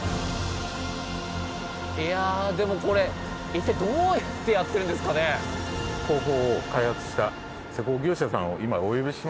いやでもこれ一体どうやってやってるんですかね？工法を開発した施工業者さんを今お呼びしますので。